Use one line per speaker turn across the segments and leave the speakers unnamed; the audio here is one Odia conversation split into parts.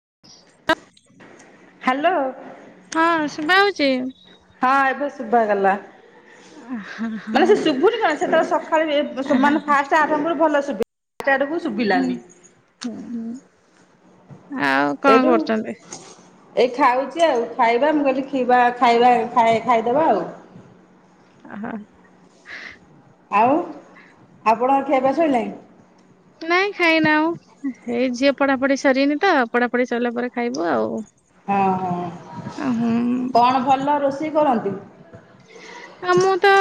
[inaudible] ହାଲୋ
ହଁ ଶୁଭା ହଉଛି
ହଁ ଏବେ ଶୁଭ ଗଲା
ହଁ
ମାନେ
ହଁ
ସେ ଶୁଭୁନି କଣ ସେତେବେଳେ ସକାଳେ ଫାଷ୍ଟ ଆରମ୍ଭରୁ ଭଲ ଶୁଭିଲା। ଆଡକୁ
ହୁଁ
ଶୁଭିଲାନି।
ହୁଁ ଆଉ କଣ
ସେଇଠୁ
କରୁଛନ୍ତି?
ଏଇ ଖାଉଛି ଆଉ ଖାଇବା ମୁଁ କହିଲି ଖୀବା ଖାଇବା ଖାଇଦବା ଆଉ।
ଅ ହ।
ଆଉ ଆପଣଙ୍କ ଖିଆପିଆ ଶଇଲାନି?
ନାଇଁ ଖାଇନା ଆଉ ଏଇ ଝିଅ ପଢାପଢି ସରିନି ତ ପଢାପଢି ସରିଲା ପରେ ଖାଇବୁ ଆଉ।
ହଁ
ହୁଁ
ହଁ କଣ ଭଲ ରୋଷେଇ କରନ୍ତି?
ଆଉ ମୁଁ ତ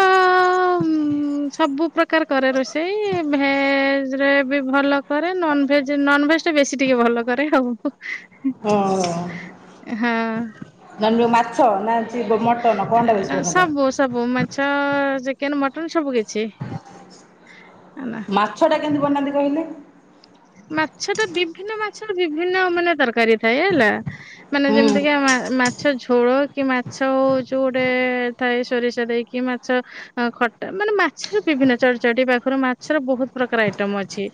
[inaudible]
ସବୁ ପ୍ରକାର କରେ ରୋଷେଇ ଭେଜରେ ବି ଭଲ କରେ ନନ ଭେଜ ନେ? ବେଶୀ ଟିକେ ଭଲ କରେ ଆଉ।
ହ।
ହଁ।
ନଣ୍ଡୁ ମାଛ ନା ମଟନ କଣଟା ବେଶୀ ବନାନ୍ତି?
ସବୁ ସବୁ ମାଛ ଚିକେନ ମଟନ ସବୁ କିଛି
ମାଛଟା କେମିତି ବନାନ୍ତି କହିଲେ?
ମାଛ ତ ବିଭିନ୍ନ ମାଛର ବିଭିନ୍ନ ମାନେ ତରକାରୀ ଥାଏ ହେଲା ମାନେ
ହୁଁ
ଯେମିତିକା ମାଛ ଝୋଳ କି ମାଛ ଯୋଉ ଗୋଟେ ଥାଏ ସୋରିଷ ଦେଇକି ମାଛ ଖଟା? ମାନେ ମାଛର ବିଭିନ୍ନ ଚଢଚଢଟି ପାଖରୁ ମାଛର ବହୁତ ପ୍ରକାର ଆଇଟମ ଅଛି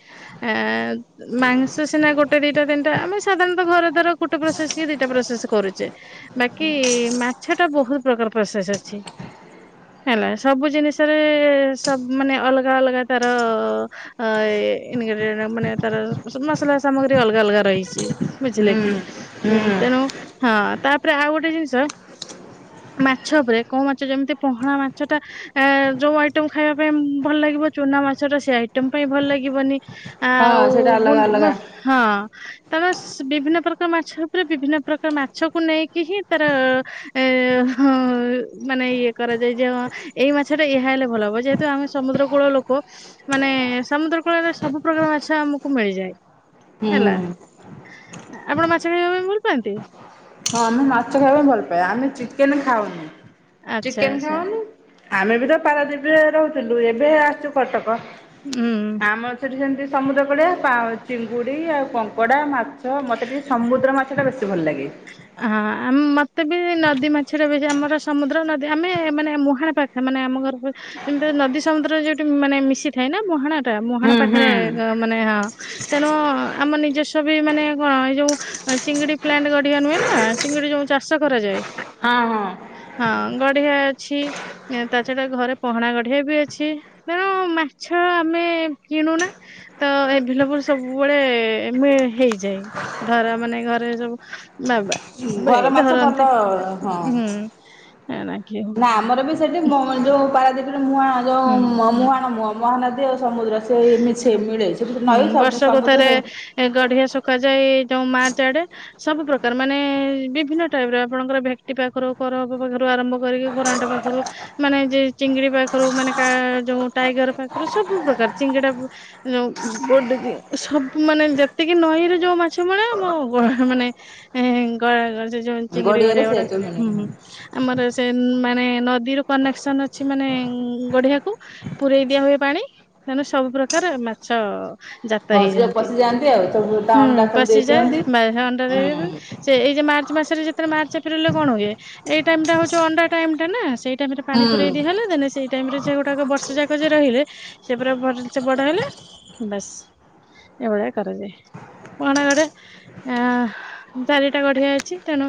ଆ? ମାଂସ ସିନା ଗୋଟେ ଦିଟା ତିନିଟାମେ ସାଧାରଣତଃ ଘର ଦ୍ରା ଗୋଟେ ପ୍ରୋସେସ କି ଦିଟା ପ୍ରସେସ କରୁଛେ ବାକି ମାଛ ଟା ବହୁତ ପ୍ରକାର ପ୍ରସେସ ଅଛି? ହେଲା ସବୁଜିସ ରେ ମାନ ସବୁ ଅଲଗା ଅଲଗା ତାର ଏନେ ଗେଡେ ମାନେ? ତାର ମସଲା ସାମଗ୍ରୀ ଅଲଗା ଅଲଗା ରହିଛି ବୁଝିଲେ
ହୁଁ
କି ଉଁ
ହୁଁ
ତେଣୁ ହଁ ତାପରେ ଆଉ ଗୋଟେ ଜିନିଷ ମାଛ ଉପରେ କଉ ମାଛ ଯେମିତି ପହଣା ମାଛ ଟା ଯୋଉ ଆଇଟମ ଖାଇବା ପାଇଁ ଭଲ ଲାଗେ? ଚୁନା ମାଛ ର ସେ ଆଇଟମ ପାଇଁ ଭଲ ଲାଗିବନି।
ହଁ
ଆଉ
ସେଇଟା ଅଲଗା
ଗୁଣ୍ଡି
ଅଲଗା
ହ ତା ବିଭିନ୍ନ ପ୍ରକାର ମାଛ ଉପରେ ବିଭିନ୍ନ ପ୍ରକାର ମାଛକୁ ନେଇକି ହିଁ ତାର ଏ ହଁ ମାନେ ଇଏ କରାଯାଏ ଯେ ହଁ ଏଇ ମାଛ ଟା ଏହା ହେଲେ ଭଲ ହବ ଯେହେତୁ ଆମେ ସମୁଦ୍ର କୂଳ ଲୋକ ମାନେ ସମୁଦ୍ର କୂଳରେ ସବୁ ପ୍ରକାର ମାଛ ମାଛ ଆମକୁ ମିଳିଯାଏ ହେଲା।
ହୁଁ।
ଆପଣ ମାଛ ଖାଇବା ପାଇଁ ଭଲ ପାଆନ୍ତି?
ହଁ ଆମେ ମାଛ ଖାଇବା ପାଇଁ ଭଲ ପାଏ ଆମେ ଚିକେନ ଖାଉନି
ଆଚ୍ଛା
ଚିକେନ
ଆଚ୍ଛା
ଖାଉନି ଆମେ ବି ତ ପାରାଦୀପି ରେ ରହୁଥିଲୁ ଏବେ ଆସିଛୁ କଟକ
ହୁଁ।
ଆମର ସେଠି ସେମିତି ସମୁଦ୍ର କୂଳିଆ ଚିଙ୍ଗୁଡ଼ି ଆଉ କଙ୍କଡ଼ା ମାଛ ମତେ ଟିକେ ସମୁଦ୍ର ମାଛ ଟା ବେଶି ଭଲ ଲାଗେ। [inaudible]
ଏବେ ନଦୀ ମାଛରେ ବି ଆମର ସମୁଦ୍ର ନଦୀ ଆମେ ମାନେ ମୁହାଣ ପାଖା ମାନେ ଆମ ଘର ନଦୀ ସମୁଦ୍ର ଯୋଉଠି ମାନେ ମିଶିଥାଏ ନା ମହାଣ ଟା ମହାଣ
ହୁଁ ହୁଁ
ପାଖରେ ମାନେ ହଁ ତେଣୁ ହଁ ଆମ ନିଜସ୍ୱ ବି ମାନେ କଣ ଏଇ ଯୋଉ ଚିଙ୍ଗଡି ପ୍ଲାଣ୍ଟ ଗୋଟେ ଏହା ନୁହେଁ ଚିଙ୍ଗୁଡ଼ି ଯୋଉ ଚାଷ କରାଯାଏ
ହଁ, ହଁ।
ହଁ ଗଢିଆ ଅଛି ତା ଛଡା ଘରେ ପହଣା ଗଢିଆ ବି ଅଛି ତେଣୁ ମା ମାଛ ଆମେ କିଣୁନା ତ ଏଭେଲେବିଲ ସବୁବେଳେ ହେଇଯାଏ ଧରା ମାନେ ଘରେ ସବୁ ମେବା
ଘର ମାଛ ଭଲ ହଁ ନା ଆମର ବି ସେଠି ଯଉ? ପାରାଦୀପି ମୁହାଣ ଯୋଉ ମୁହାଣ ମୁହଁ ମହାନଦୀ ସମୁଦ୍ର ସେ ଏ ମିସେ ମିଳେ
ହୁଁ
ନଇଁ ସମୁଦ୍ର ସବୁ
ରଖାଯା ଯୋଉ ମାର୍ଚ୍ଚ ଆଡେ ସବୁ ପ୍ରକାର ମାନେ ବିଭିନ୍ନ ଟାଇପ ଆପଣଙ୍କର ଭେକ୍ଟି ପାଖରୁ ପାଖରୁ ଆରମ୍ଭ କରି ଘରଣ୍ଟ ପାଖରୁ ମାନେ ଚିଙ୍ଗୁଡ଼ି ପାଖରୁ ମାନେ ଟାଇଗର ପାଖରେ ସବୁ ପ୍ରକାର ଚିଙ୍ଗଡା ସବୁ ମାନେ ଯେତିକି ନଈରେ ଯୋଉ ମାଛ ମିଳେ ଆମ ମାନେ ଗୋ ଚିଙ୍ଗଡି
ଗଡିଆରେ
ଗଡିଆ
ସେ
ଗୁଡା
ସବୁ ମିଳେ।
ଆମର ସେ ମାନେ ନଦୀରୁ କନେକ୍ସନ ଅଛି ମାନେ ଗଢିଆକୁ ପରେଇ ଦିଆ ହୁଏ ପାଣି। ତାନେ ସବୁ ପ୍ରକାର ମାଛ ଜାତ
ହଁ ସେ
ହେଇଯାଆନ୍ତି
ପଶିଯାଆନ୍ତି ଆଉ ସବୁ ତା
ହୁଁ
ଅଣ୍ଡା ସବୁ ଦେଇ
ପଶିଯାଏ
ଦିଅନ୍ତି।
ବା
ହୁଁ
ଏଇ ମଚ୍ଚ ମାସରେ ଯେତ ମାର୍ଚ୍ଚଏପ୍ରିଲରେ କଣହୁଏ ଏଇ ଟାଇମଟା ହଉଛି ଅଣ୍ଡା ଟାଇମଟା ନା ସେଇା ସେ ଟାଇମରେ ପାଣି
ହୁଁ
ପୁରାଇଦି ହେଲେ ଦେ ସେଟାଇମ୍ ରେ ସେ ଗୁଟାକ ବର୍ଷା ଯେ ରହିଲେ ସେ ପୁରା ଭଲ ସେ ବଡ଼ ହେଲା ବାସ୍ ଏଭଳିଆ କରାଯାଏ। ପଣଗଡେ ଅ ଚାରିଟା ଗଡିିଆ ଅଛି ତେଣୁ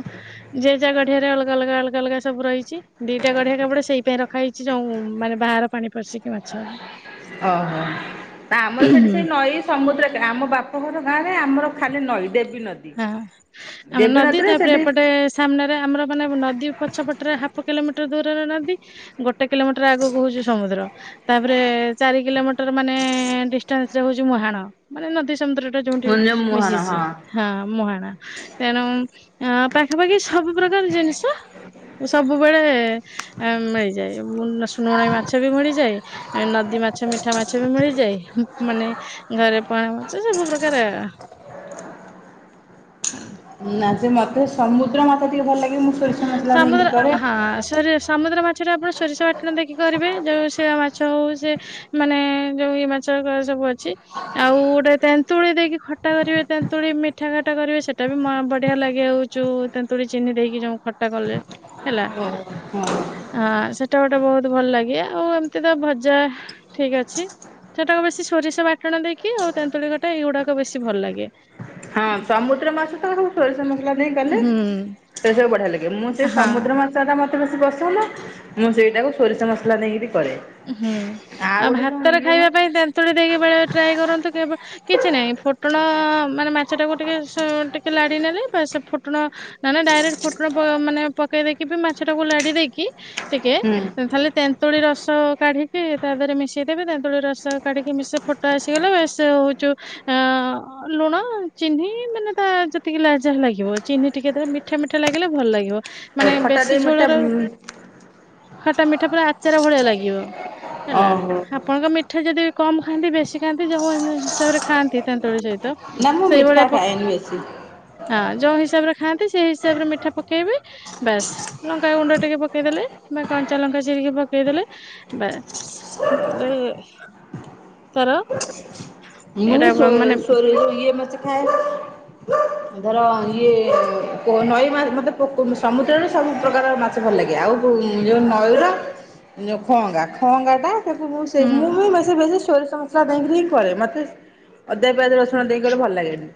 ଯେ ଯା ଗଢିଆରେ ଅଲଗା ଅଲଗା ଅଲଗା ଅଲଗା ସବୁ ରହିଛି ଦିଟା ଗଢିଆ କାମଡ ସେଇ ପାଇଁ ରଖା ହେଇଛି ଯୋଉ ମାନେ ବାହାର ପାଣି ପରିଶିକି ମାଛ ହବ।
ଓହୋ। ନା ଆମର ସେଠି ସେଇ ନଈ ସମୁଦ୍ର ଆମ ବାପା ଘର ଗାଁ ରେ ଆମର ଖାଲି ନଈ ଦେବ
ହଁ ଆମର ନଦୀ ତାପରେ
ସେଠି
ଏପଟେ ସାମ୍ନାରେ ଆମର ମାନେ ନଦୀ ପଛପଟରେ ହାଫକିଲୋମିଟର ଦୂରରେ ନଦୀ ଗୋଟେକିଲୋମିଟର ଆଗକୁ ହଉଛି ସମୁଦ୍ର। ତାପରେ ଚାରିକିଲୋମିଟର ମାନେ ଡିଷ୍ଟାନ୍ସ ରେ ହଉଛି ମୁହାଣ ମାନେ ନଦୀ ମୁଦ୍ରଟା ଯୋଉଠି
ଯୋଉ ମୁହଁନ
ମିଶିଛି। ହଁ ମୁଁହାଣ ତେଣୁ ପାଖାପାଖି ସବୁ ପ୍ରକାର ଜିନିଷ ସବୁବେଳେ ମିଳିଯାଏ ସୁଣୁଣାଇ ମାଛ ବି ଭଡିଯାଏ ନଦୀ ମାଛ ମିଠା ମାଛ ବି ମିଳିଯାଏ ମାନେ ଘରେ ପଣା ମାଛ ସବୁ ପ୍ରକାର ଅ
[inaudible]
[inaudible]
ନା ସେ ମତେ ସମୁଦ୍ରମାଛ ଟିକେ ଭଲ ଲାଗେ ମୁଁ ସୋରିଷ ମସଲା ଦେଇକି
ସମୁଦ୍ର
କରେ।
ହଁ ସରିଆ ସମୁଦ୍ର ମାଛରେ ଆପଣ ସୋରିଷପାଟଣ ଦେଖି କରିବେ ଯେଉଁ ସେ ମାଛ ହେଉ ସେ ମାନେ ଯେଉଁ ଇଏ ମାଛ ସବୁ ଅଛି ଆଉ ଗୋଟେ ତେନ୍ତୁଳି ଦେଇକି ଖଟା କରିବେ ତେନ୍ତୁଳି ମିଠାଖଟା କରିବେ ସେଇଟା ବି ବଢିଆ ଲାଗି ହାଉଛୁ ତେନ୍ତୁଳି ଚିନି ଦେଇକି ଯୋଉ ଖଟା କଲେ ହେଲା।
ହଁ
ଆଁ ସେଟା ଗୋଟେ ବହୁତ ଭଲ ଲାଗେ ଆଉ ଏମତି ତ ଭଜା ଠିକଅଛି। ସେଟାକୁ ବେଶୀ ସୋରିଷ ବାଟଣ ଦେଇକି ଆଉ ତେନ୍ତୁଳିିକଟା ଏଇଗୁଡାକ ବେଶୀ ଭଲ ଲାଗେ।
ହଁ ସମୁଦ୍ର ମାଛ ତ ସବ ସୋରିଷ ମସଲା ନେଇ ଗଲେ
ହୁଁ
ସେସବୁ ବଢ଼ିଆ ଲାଗିବ। ସେ
ହଁ
ସମୁଦ୍ର ମସଲା ଟା ମତେ ବେଶି ବସଉନ ମୁଁ ସେଇଟାକୁ ସୋରିଷ ମସଲା ଦେଇକିରି କରେ।
ହୁଁ ଆଉ
ଗୋଟେ ଯୋଉ
ଭାତରେ ଖାଇବା ପାଇଁ
ଇଏ
ତେନ୍ତୁଳି ଦେଇକି ସବୁବେଳେ ଟ୍ରାଏ କରନ୍ତୁ କିଛି ନାହିଁ ଫୋଟଣ ମାନେ ମାଛ ଟାକୁ ଟିକେ ଟିକେ ଲାଡ଼ି ନେଲେ ବା ସେ ଫୁଟଣ ନା ଡାଇରେକ୍ଟ ଫୁଟଣ ମାନେ ପକେଇ ଦେଇକି ମାଛଟାକୁ ଲାଢି ଦେଇକି ଟିକେ
ହୁଁ ଆଉ
ଖାଲି ତେନ୍ତୁଳି ରସ ରସ କାଢିକି ତା ଦେହରେ ମିଶେଇଦେବେ ତେତୁଳି ରସ କାଢିକି ମିଶି ଫୋଟା ଆସିଗଲା ବସ ହଉଚୁ ଆ ଲୁଣ ଚିନି ମାନେ ତା ଯେତିକି ଲାଜା ଲାଗିବ ଚିନି ଟିକେ ମିଠା ମିଠା ଲା ଲାଗିଲେ ଭଲ ଲାଗିବ ମାନେ
ଖଟା ଟିକେ
ବେଶୀ
ମିଠା
ଝୋଳର ଖଟା ମିଠା ପୁରା ଆଚାର ଭଳିଆ ଲାଗିବ ହେଲା
ଓହୋ
ଆପଣଙ୍କ ମିଠା ଯଦି କମ ଖାଆନ୍ତି ବେଶୀ ଖାଆନ୍ତି ଯଉ ହିସାବରେ ଖାଆନ୍ତି ତେତୁଳି ସହି ତ
ନା ମୁଁ ମିଠା
ସେଇଭଳିଆ ପ
ଖାଏନି ବେଶୀ
ହଁ ଯୋଉ ହିସାବରେ ଖାଆନ୍ତି ସେଇ ହିସାବରେ ମିଠା ପକେଇବେ ବାସ୍ ଲଙ୍କା ଗୁଣ୍ଡ ଟିକେ ପକେଇଦେଲେ। ବା କଞ୍ଚା ଲଙ୍କା ଚିରିକି ପକେଇଦେଲେ। ବାସ ତର।
ମୁଁ ଏ ସୋ ସୋରିଷ ଇଏ ମାଛ ଖାଏ। ଧର ଇଏ ନଈ ମା ମୋତେ ସମୁଦ୍ରରୁ ସବୁ ପ୍ରକାର ମାଛ ଭଲ ଲାଗେ ଆଉ କଉ ଯେଉଁ ନୟୂର ଯେଉଁ ଖଙ୍ଗା ଖଙ୍ଗାଟା ତାକୁ ମୁଁ ସେ
ହୁଁ
ମୁଁ ବି ବେଶୀବେଶୀ ସୋରିଷ ମସଲା ଦେଇକିରି ହିଁ କରେ ମତେ ଅଦା ପିଆଜ ରସଣ ଦେଇକଲେ ଭଲ ଲାଗେନି।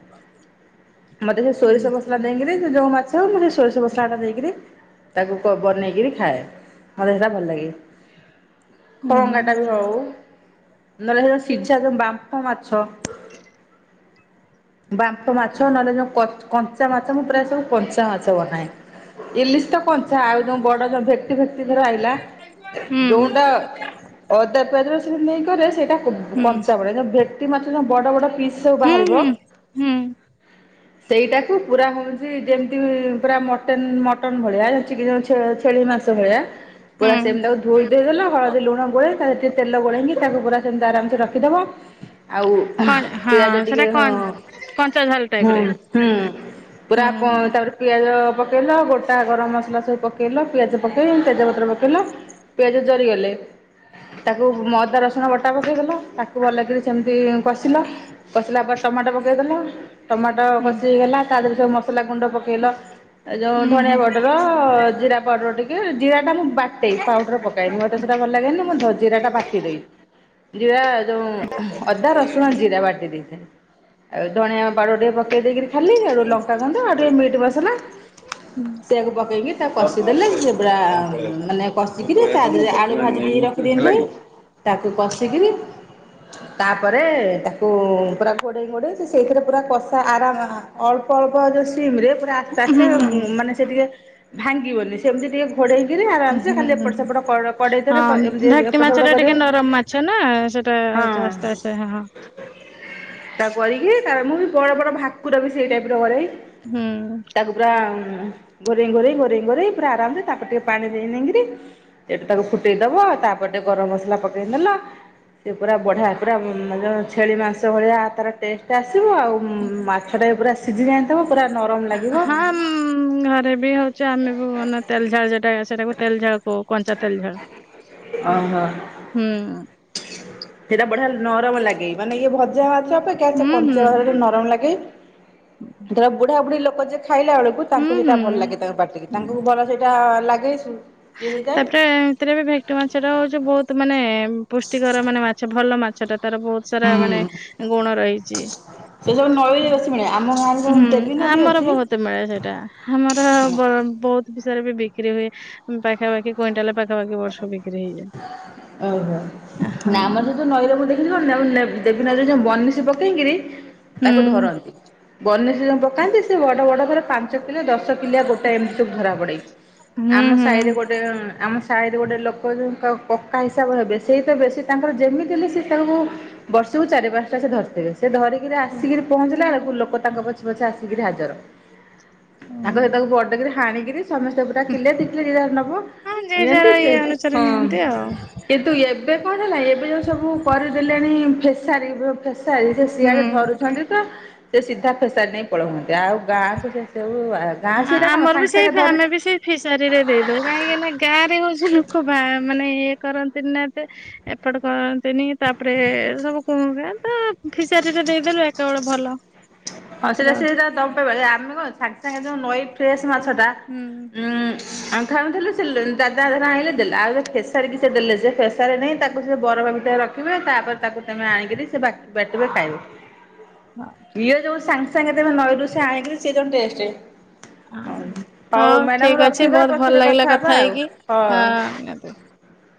ମତେ ସେ ସୋରିଷ ମସଲା ଦେଇକିରି ସେ ଯୋଉ ମାଛବ ମୁଁ ସେ ସୋରିଷ ମସଲା ଟା ଦେଇକରି ତାକୁ ବନେଇକିରି ଖାଏ, ମୋତ ଦେ ସେଟା ଭଲ ଲାଗେ।
ହୁଁ
ଖଙ୍ଗା ଟା ବି ହଉ ନ ସେ ସିଝା ବା ବାମ୍ପ ମାଛ ନହେଲେ ଯୋ କଞ୍ଚା ମାଛ ମୁଁ ପ୍ରାୟ ସବୁ କଞ୍ଚା ମାଛ ବନାଏ। ଇଲିଶ ତ କଞ୍ଚା, ଆଉ ଯୋଉଁ ବଡ ଯ ଭେକ୍ଟୀ ଫେକ୍ଟି ଧର ଆଇଲା
ହୁଁ ହୁଁ
ଯୋଉଁଟା ଅ ପିଆଜ ରସୁଣ ନେଇ କରେ ସେଇଟା
ହୁଁ
କଞ୍ଚା ପଡ଼େ ଭେକ୍ଟୀ ମାଛ ଯୋଉ ବଡ଼ ବଡ଼ ପିସ୍ ସବୁ ବାହାରିବ।
ହୁଁ ହୁଁ
[inaudible] ସେଇଟାକୁ ପୁରା ହଉଛି। ଯେମିତି ପୁରା ମଟନ ମଟନ୍ ଭଳିଆ ଚିକେନ୍ ଛେ ଛେଳି ମା ମାଂସ ଭଳିଆ ପୁରା
ହୁଁ
ସେମି ତାକୁ ଧୋଇ ଧୁଆ ଦେଲ, ହଳଦୀ ଲୁଣ ଗୋଳେଇ ତା ସେ ତେଲ ଗୋଳେଇକି ତାକୁ ପୁରା ସେମତି ଆରାମସେ ରଖିଦବ। ଆଉ
କଣ ହଁ
ପିଆଜ
ସେଟା
ଟିକେ ହଁ
କଣ କଞ୍ଚା ଝାଲ ଟାଇପ
ହୁଁ
ରେ
ହୁଁ। ପୁରା
ହୁଁ
କ ତାପରେ ପିଆଜ ପକେଇଲ ଗୋଟା ଗରମ ମସଲା ସବୁ ପକେଇଲ ପିଆଜ ପକେଇ ତେଜପତ୍ର ପକେଇଲ। ପିଆଜ ଜରିଗଲେ ତାକୁ ମଅଦା ରସୁଣ ବଟା ପକେଇଦେଲ ତାକୁ ଭଲ କରି ସେମତି କଷିଲ କଷିଲା ପରେ ଟମାଟୋ ପକେଇଦେଲ ଟମାଟୋ
ହୁଁ
କଷି ହେଇଗଲା ତା ଦେହରେ ସବୁ ମସଲା ଗୁଣ୍ଡ ପକେଇଲ। ଏ ଯୋଉ ଧଣିଆ ପାଉଡର ଜିରା ପାଉଡର ଟିକେ ଜିରା ଟା ମୁ ବାଟେ, ପାଉଡର ପକାଏନି ମତେ ସେଟା ଭଲ ଲାଗେନି। ମୁଁ ଧ ଜିରା ଟା ବାଟି ଦେଇ ଜିରା ଯୋଉଁ ଅଦା ରସୁଣ ଜିରା ବାଟି ଦେଇଥାଏ। ଆଉ ଧଣିଆ ପାଉଡର ଟିକିଏ ପକେଇ ଦେଇକରି ଖାଲି, ଆଉ ଲଙ୍କା ଗୁଣ୍ଡ ଆଉ ଟିକେ ମିଟ୍ ମସଲା ସେଆକୁ ପକେଇକି ତା କଷିଦଲେ। ସିଏ ପୁରା ମାନେ କଷିକିରି ତା ଦେହରେ ଆଳୁ ଭା ଜିକି ରଖିଦେଇ ଥିବି ତାକୁ କସିକିରି ତା ପରେ ତାକୁ ପୁରା ଗୋଡେଇ ଗୋଡେଇ ସେଇଥିରେ, ପୁରା କଷା ଆରାମ ଅଳ୍ପ ଅଳ୍ପ ଯଉ ସିମ ରେ ପୁରା ଆସ୍ତେ
ହୁଁ
ଆସ୍ତେ ଅ
ହୁଁ
ମାନେ ସେ ଟିକେ ଭାଙ୍ଗିବନି, ସେମିତି ଟିକେ ଘୋଡ଼େଇକିରି ଆରାମସେ
ହୁଁ
ଖାଲି
ହୁଁ
ଏପଟ ସେପଟ କ
ହଁ
କଡେଇଥରେ ଏମିତି
ଭାକ୍ଟି
ଏପଟ
ମାଛ ଟା
ସେପଟ କରିବ।
ଟିକେ ନରମ ମାଛ ନା ସେଟା
ହଁ
ଆସ୍ତେ ଆସ୍ତେ ହଁ।
ତା କରିକି ତା ମୁଁ ବି ବଡ଼ ବଡ଼ ଭାକୁର ବି ସେଇ ଟାଇପ ର କରେ।
ହୁଁ
ତାକୁ ପୁରା। ଘୋରେଇ ଘୋରେଇ ଘୋରେଇ ଘୋରେଇ ପୁରା ଆରାମସେ ତାପରେ ଟିକେ ପାଣି ଦେଇ ଦେଇକିରି! ସେଇଠୁ ତାକୁ ଫୁଟେଇ ଦବ ତାପ ଗୋଟେ ଗରମ ମସଲା ପକେଇ ଦେଲ। ସେ ପୁରା ବଢ଼ିଆ ପୁରା ଉଁ ଯ ଛେଳି ମାଂସ ଭଳିଆ ତାର ଟେଷ୍ଟଟା ଆ ସିବ, ଆଉ ମାଛ ଟା ପୁରା ସିଝି ଯାଇଥିବ ପୁରା ନରମ ଲାଗିବ।
ଯେ ଆମେ ବି ମାନେ ତେଲ ଝାଳଟା ସେଟାକୁ ତେଲ ଝାଳ କହୁ କଞ୍ଚା ତେଲ୍ ଝାଳ। ମାନେ
ଓହୋ
ହୁଁ।
ସେଇଟା ବଢିଆ ନରମ ଲାଗେ। ମାନେ ଇଏ ଭଜା ମାଛ ଅପେକ୍ଷା
ହୁଁ
ସେ
ହୁଁ
କଞ୍ଚା ନରମ ଲାଗେ। ଧର ବୁଢା ବୁଢୀ ଲୋକ ଯେ ଖାଇଲା ବେଳକୁ
ହୁଁ
ତାଙ୍କୁ ସେଇଟା
ହୁଁ।
ଭଲ ଲାଗେ ତାଙ୍କ ପାଟିକି।
ହୁଁ
ତାଙ୍କୁ ଭଲ ସେଇଟା ଲାଗେ ସୁ
ତାପରେ ଏମିତିରେ ବି ଭେକ୍ଟି ମାଛ ଟା ହଉଛି ବହୁତ ମାନେ ପୁଷ୍ଟିକର, ମାନେ ମାଛ ଭଲ ମାଛ ଟା ତାର ବହୁତ ସାରା ମାନେ
ହୁଁ।
ଗୁଣ ରହିଛି।
ଯୋଉଁ ନଈରେ ବେଶୀ ମିଳେ ଆ
ହୁଁ ଆମର ବହୁତ ମିଳେ ସେଇଟା, ଆମର ବ ବହୁ ତ ସାରା ବି ବିକ୍ରି ହୁଏ। ପାଖାପଖି କ୍ୱିଣ୍ଟାଲ ପାଖାପାଖି ବର୍ଷକୁ ବିକି
ଓହୋ ନା ଆମର ସେ
ହଁ।
ଯୋଉଁ ନଈର ମୁଁ ଦେଖିଲି, କ ଦେବୀ ନଈରେ ଯୋଉଁ ବନିଶୀ ପକେଇକିରୀ
ହୁଁ
ତାକୁ ଧରନ୍ତି। ବନିଶି ଯୋଉଁ ପକାନ୍ତି ସେ ବଡ ବଡ ପୁରା ପାଞ୍ଚ କିଲୋ ଦଶ ଶ କିଲିଆ ଗୋଟା ଏମିତି ସବୁ ଧରା ପଡ଼େ।
ହୁଁ
ଆମ
ହୁଁ।
ସାହିରେ ଗୋଟେ ଆମ ସାହିରେ ଗୋଟେ ଲୋ କ ଯୋଉ କକ୍କା ହିସାବ ହେବେ। ସେଇ ତ ବେଶୀ ତାଙ୍କର ଯେମିତି ହେଲେ ସେ ତାଙ୍କୁ ବର୍ଷକୁ ଚାରି ପାଞ୍ଚଟା ଧରିଥିବେ ସେ ଧରିକିରି ଆସିକିରି ପହଞ୍ଚିଲା ବେଳକୁ, ଲୋକ ତାଙ୍କ ପଛେ ପଛେ ଆସିକିରି ହାଜର। ତାଙ୍କ ସେ
ଓହୋ।
ତାକୁ ବଡ଼କିରି ହାଣିକି ସମସ୍ତେ ପୁରା କିଲେ ଦିକିଲେ ଯିଏ ଯାହା ନବ
ହଁ ଯିଏ ଯାହାର
ନିଅନ୍ତି।
ଇଏ
ସେ
ଅନୁସାରେ
ହଁ
ନିଅନ୍ତି ଆଉ
କିନ୍ତୁ ଏ ଏବେ କଣ ହେଲା ଏବେ ଯେଉଁ ସବୁ କରିଦେଲେଣି ଫେସାରୀ। ଫେସାରି ସେ
ହୁଁ।
ସିଆଡେ ଧରୁଛନ୍ତି ତ, ସେ ସିଧା ଫେସାରି ନେଇ ବଡହୁଅନ୍ତି ଆଉ ଗାଁକୁ ସେ ସବୁ ଗାଁ ସେଇଟା କଣ
ଆମର ବି
ସାଙ୍ଗେ
ସେଇ
ସାଙ୍ଗେ ଧରି
ଆମେ ବି ସେଇ ଫିସାରୀ ରେ ଦେଇଦଉ। କାହିଁକିନା ଗାଁ ରେ ହଉଛି ଲୋକ ବାହା ମାନେ ଇଏ କରନ୍ତି ନା ଏବେ ଏପଟ କରନ୍ତିନି ତାପରେ ସବୁ କହ ତ ଫିସାରୀ ରେ ଦେଇଦେଲୁ ଏକା ବେଳେ ଭଲ।
ହଁ ସେଟା
ର
ସେଟା ଦ ଆମେ କଣ ସାଙ୍ଗେ ସାଙ୍ଗେ ଯଉ ନଈ ଫ୍ରେଶ ମାଛଟା
ହୁଁ।
ଉଁ ଆ ଖାଉଥିଲୁ ସେ ଦାଦାର ଆଣେ ଦେଲେ ଆଉ ଫେସାର ସେ ଦେଲେ ସେ ଫେସାରି ନାହିଁ ତାକୁ ସେ ବର ଭିତରେ ରଖିବେ ତାପରେ ତାକୁ ତମେ ଆଣିକରି ସେ ବାଟିବେ ଖାଇବ। ରିଅ ଯୋଉ ସାଙ୍ଗେ ସାଙ୍ଗେ ଦେବେ ନଈରୁ ସେ ଆଣିକିରି ସେ ଯୋଉ ଟେଷ୍ଟ। ହ
ହଁ।
ହଉ
ଠିକ
ମ୍ୟାଡାମ
ଅଛି
ରଖିବା
ବହୁତ ଭଲ
ପଛରେ
ଲାଗିଲା
କଥା ହବା ଆଉ
ହେଇକି
ହଁ।
ନିହାତି।
[inaudible]